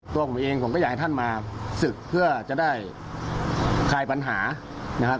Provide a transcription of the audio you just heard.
ตัวผมเองผมก็อยากให้ท่านมาศึกเพื่อจะได้คลายปัญหานะครับ